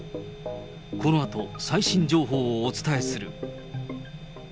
このあと、最新情報をお伝えする。